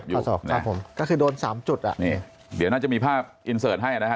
ข้อศอกครับผมก็คือโดนสามจุดอ่ะนี่เดี๋ยวน่าจะมีภาพให้นะฮะ